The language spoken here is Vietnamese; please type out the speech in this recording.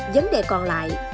vấn đề còn lại